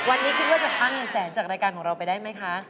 วันนี้คิดว่าจะคว้าเงินแสนจากรายการของเราไปได้ไหมคะ